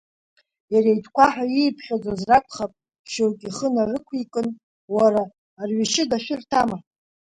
Иара итәқәа ҳәа ииԥхьаӡоз ракәхап, шьоукы ихы нарықәикын, уара, арыҩшьыга шәырҭама?